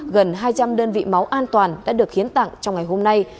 gần hai trăm linh đơn vị máu an toàn đã được hiến tặng trong ngày hôm nay